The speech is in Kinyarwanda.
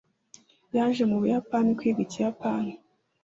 yaje mu buyapani kwiga ikiyapani